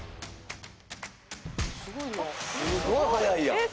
すごい速いやん。